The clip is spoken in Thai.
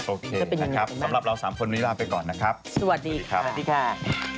โอเคนะครับสำหรับเราสามคนนี้ลาไปก่อนนะครับสวัสดีครับสวัสดีค่ะ